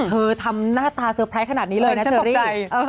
ทำหน้าตาเซอร์ไพรส์ขนาดนี้เลยนะเชอรี่